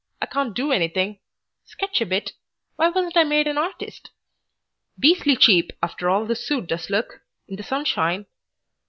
I can't do anything sketch a bit. Why wasn't I made an artist? "Beastly cheap, after all, this suit does look, in the sunshine."